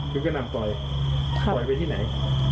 คือก็นำต่อยต่อยไปที่ไหน